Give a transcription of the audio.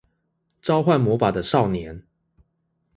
召喚魔法的少年